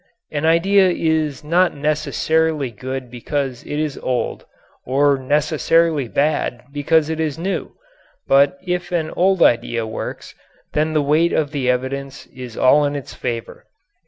An idea is not necessarily good because it is old, or necessarily bad because it is new, but if an old idea works, then the weight of the evidence is all in its favor.